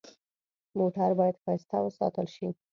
موټر باید ښایسته وساتل شي.